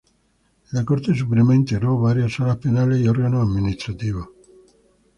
En la Corte Suprema integró varias salas penales y órganos administrativos.